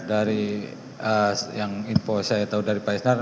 dari yang info saya tahu dari pak isnar